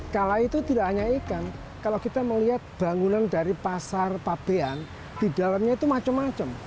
kala itu tidak hanya ikan kalau kita melihat bangunan dari pasar fabian di dalamnya itu macam macam